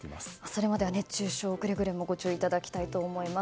それまでは熱中症くれぐれもご注意いただきたいと思います。